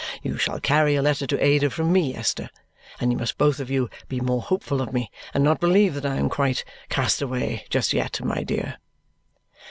You shall carry a letter to Ada from me, Esther, and you must both of you be more hopeful of me and not believe that I am quite cast away just yet, my dear."